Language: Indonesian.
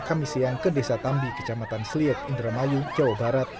kami siang ke desa tambi kecamatan seliet indramayu jawa barat